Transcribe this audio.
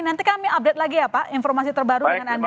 nanti kami update lagi ya pak informasi terbaru dengan anda